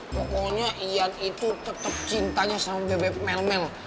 pokoknya iyan itu tetep cintanya sama bebek melmel